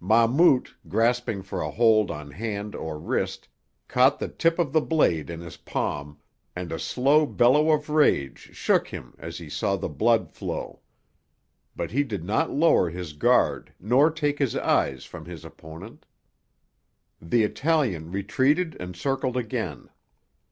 Mahmout, grasping for a hold on hand or wrist, caught the tip of the blade in his palm, and a slow bellow of rage shook him as he saw the blood flow. But he did not lower his guard nor take his eyes from his opponent. The Italian retreated and circled again.